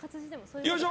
よいしょ！